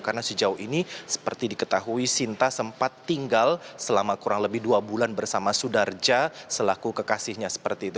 karena sejauh ini seperti diketahui sinta sempat tinggal selama kurang lebih dua bulan bersama sudarja selaku kekasihnya seperti itu